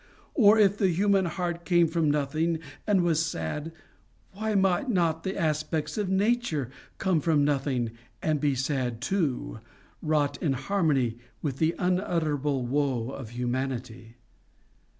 Or if the human heart came from nothing and was sad, why might not the aspects of nature come from nothing and be sad too wrought in harmony with the unutterable woe of humanity?